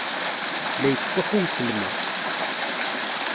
La yettfuḥu weslem-a.